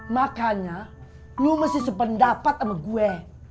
makanya lu mesti sependapat sama gua